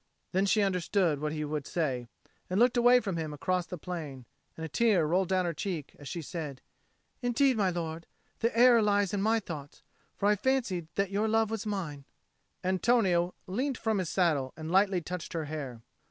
Then she understood what he would say, and she looked away from him across the plain; and a tear rolled down her cheek as she said, "Indeed, my lord, the error lies in my thoughts; for I fancied that your love was mine." Antonio leant from his saddle and lightly touched her hair.